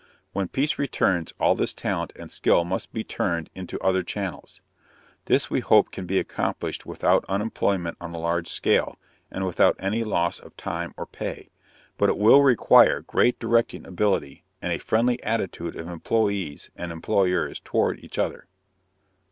When peace returns all this talent and skill must be turned into other channels. This we hope can be accomplished without unemployment on a large scale, and without any loss of time or pay. But it will require great directing ability, and a friendly attitude of employees and employers toward each other.